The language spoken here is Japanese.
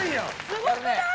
すごくない？